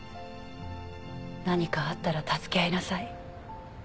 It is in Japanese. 何かあったら助け合いなさい。